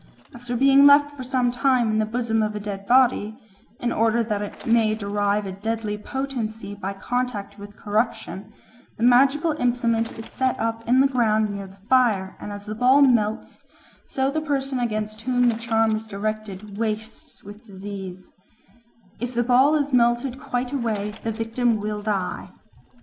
After being left for some time in the bosom of a dead body, in order that it may derive a deadly potency by contact with corruption, the magical implement is set up in the ground near the fire, and as the ball melts, so the person against whom the charm is directed wastes with disease; if the ball is melted quite away, the victim will die.